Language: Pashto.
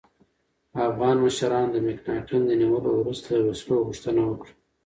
افغان مشرانو د مکناتن د نیولو وروسته د وسلو غوښتنه وکړه.